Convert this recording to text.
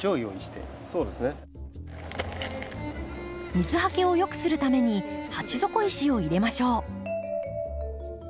水はけをよくするために鉢底石を入れましょう。